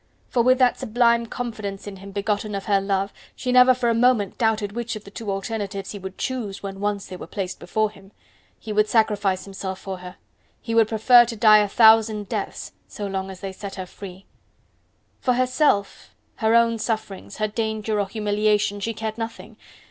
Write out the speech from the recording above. For with that sublime confidence in him begotten of her love, she never for a moment doubted which of the two alternatives he would choose, when once they were placed before him. He would sacrifice himself for her; he would prefer to die a thousand deaths so long as they set her free. For herself, her own sufferings, her danger or humiliation she cared nothing!